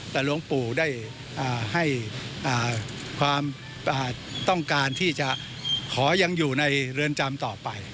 แต่หลวงปู่ได้ให้ความต้องการที่จะขอยังอยู่ในเรือนจำต่อไป